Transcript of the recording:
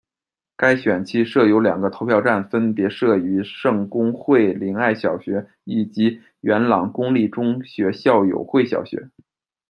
该选区设有两个投票站，分别设于圣公会灵爱小学以及元朗公立中学校友会小学。